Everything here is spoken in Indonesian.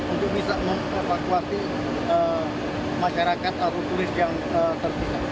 untuk bisa memperfekuasi masyarakat atau tulis yang terpisah